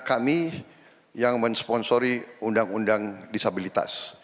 kami yang mensponsori undang undang disabilitas